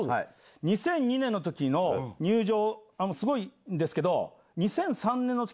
２００２年の時の入場すごいんですけど。